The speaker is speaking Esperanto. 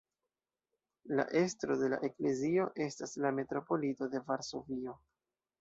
La estro de la eklezio estas la metropolito de Varsovio.